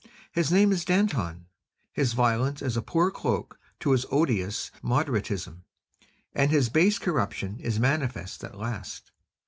His name is Danton; his violence is a poor cloak to his odious moderatism, and his base corruption is manifest at last.